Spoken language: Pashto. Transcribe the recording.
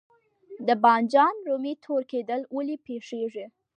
د بانجان رومي تور کیدل ولې پیښیږي؟